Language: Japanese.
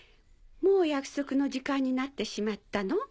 もう約束の時間になってしまったの？